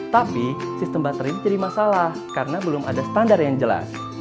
tapi sistem baterai ini jadi masalah karena belum ada standar yang jelas